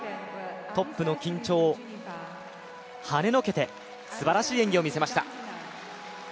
トップの緊張をはねのけてすばらしい演技を見せました。